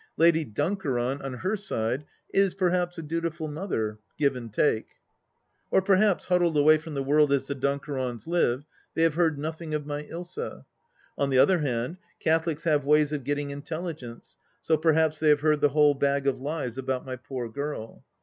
Lady Dunkeron, on her side, is perhaps a dutiful mother — give and take ! Or perhaps, huddled away from the world as the Dun kerons live, they have heard nothing of my Ilsa ? On the other hand. Catholics have ways of getting intelligence, so perhaps they have heard the whole bag of lies about my poor girl